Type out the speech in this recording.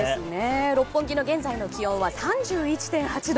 六本木の現在の気温は３１．８度。